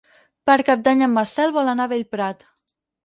Per Cap d'Any en Marcel vol anar a Bellprat.